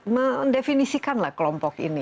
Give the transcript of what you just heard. mendefinisikanlah kelompok ini